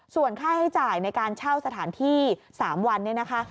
ส่วนค่าใช้จ่ายในการเช่าสถานที่๓วันนี้นะคะ